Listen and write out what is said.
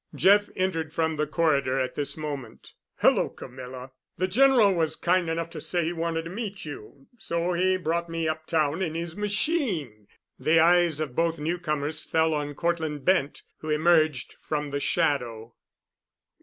Jeff entered from the corridor at this moment. "Hello, Camilla! The General was kind enough to say he wanted to meet you, so he brought me uptown in his machine." The eyes of both newcomers fell on Cortland Bent, who emerged from the shadow.